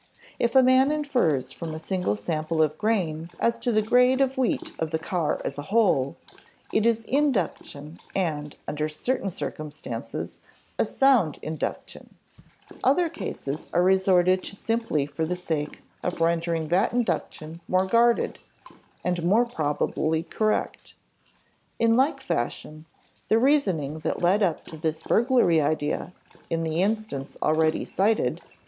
If a man infers from a single sample of grain as to the grade of wheat of the car as a whole, it is induction and, under certain circumstances, a sound induction; other cases are resorted to simply for the sake of rendering that induction more guarded, and more probably correct. In like fashion, the reasoning that led up to the burglary idea in the instance already cited (p.